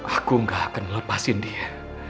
aku gak akan lepasin dia